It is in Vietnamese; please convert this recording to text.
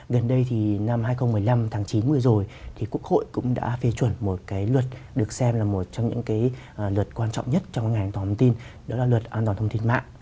gần đây thì năm hai nghìn một mươi năm tháng chín vừa rồi thì quốc hội cũng đã phê chuẩn một cái luật được xem là một trong những cái luật quan trọng nhất trong ngành an toàn thông tin đó là luật an toàn thông tin mạng